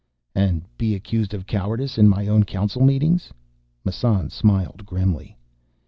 "And be accused of cowardice in my own Council meetings?" Massan smiled grimly.